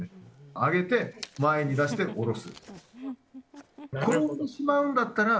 上げて前に出して下ろす。